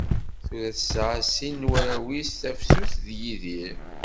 Tura tesɛa sin n warraw-is, Tafsut d Yidir.